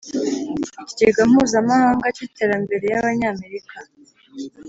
Ikigega Mpuzamahanga cy Iterambere y Abanyamerika